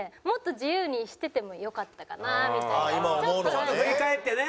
ちょっと振り返ってね。